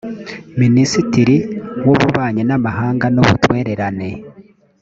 minisitiri w’ububanyi n’amahanga n’ubutwererane